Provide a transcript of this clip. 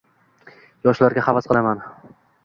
“Yoshlarga havas qilaman”ng